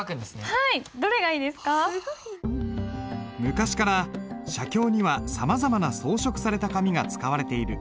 昔から写経にはさまざまな装飾された紙が使われている。